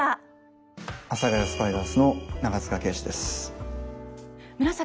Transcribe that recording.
「阿佐ヶ谷スパイダース」の長塚圭史です。